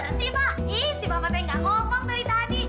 ih si mama tengah ngomong dari tadi